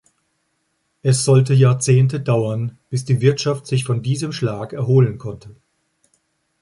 Es sollte Jahrzehnte dauern, bis die Wirtschaft sich von diesem Schlag erholen konnte.